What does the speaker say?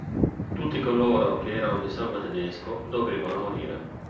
Tutti coloro che erano di sangue tedesco, dovevano morire.